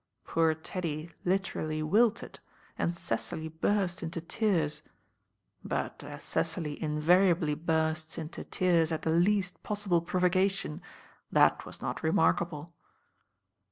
Poor Teddy literally wilted, and Cecily burst into tea, 3; but as Cecily invariably bursts into tears at the least possible provocation, that was not re markable."